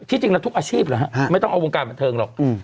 ที่จริงละทุกอาชีพเลยครับไม่ต้องเอาวงการบันเทิงหรอก